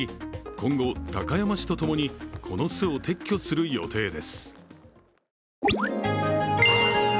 今後、高山市とともにこの巣を撤去する予定でです。